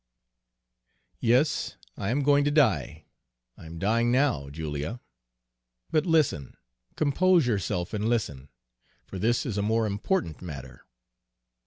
"'Yes, I am going to die, I am dying now, Julia. But listen, compose yourself and listen, for this is a more important matter.